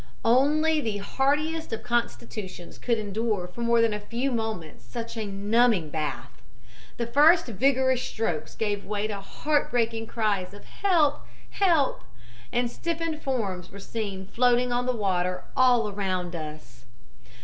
"Only the hardiest of constitutions could endure for more than a few moments such a numbing bath. The first vigorous strokes gave way to heart breaking cries of 'Help! Help!' and stiffened forms were seen floating on the water all around us.